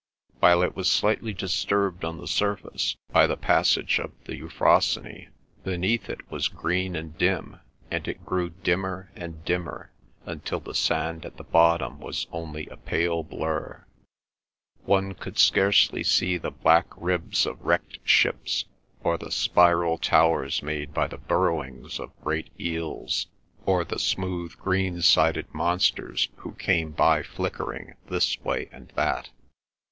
While it was slightly disturbed on the surface by the passage of the Euphrosyne, beneath it was green and dim, and it grew dimmer and dimmer until the sand at the bottom was only a pale blur. One could scarcely see the black ribs of wrecked ships, or the spiral towers made by the burrowings of great eels, or the smooth green sided monsters who came by flickering this way and that.